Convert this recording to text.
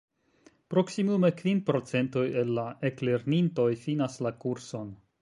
Proksimume kvin procentoj el la eklernintoj finas la kurson.